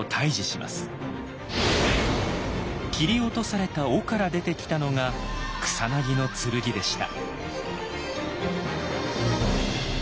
切り落とされた尾から出てきたのが草薙剣でした。